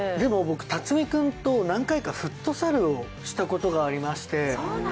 辰巳君と何回かフットサルをしたことがありまして。